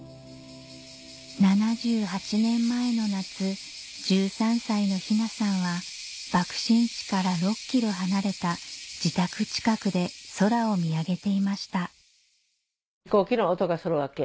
７８年前の夏１３歳の雛さんは爆心地から６ｋｍ離れた自宅近くで空を見上げていました飛行機の音がするわけ。